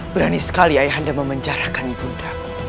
berani sekali ayah anda memenjarakan ibu undang